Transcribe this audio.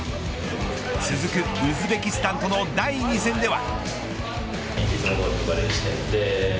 続くウズベキスタンとの第２戦では。